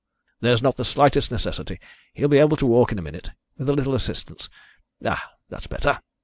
"There's not the slightest necessity. He'll be able to walk in a minute with a little assistance. Ah, that's better!"